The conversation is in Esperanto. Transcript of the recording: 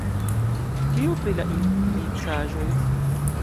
Kio pri la implicaĵoj?